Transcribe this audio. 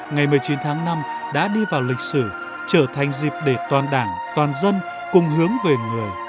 ngày một mươi chín tháng năm đã đi vào lịch sử trở thành dịp để toàn đảng toàn dân cùng hướng về người